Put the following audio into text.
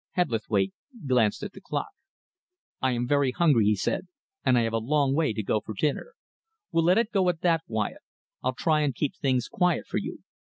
Hebblethwaite glanced at the clock. "I am very hungry," he said, "and I have a long way to go for dinner. We'll let it go at that, Wyatt. I'll try and keep things quiet for you.